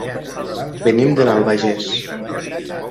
Venim de l'Albagés.